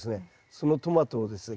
そのトマトをですね